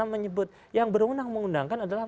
menyebut yang berundang mengundangkan adalah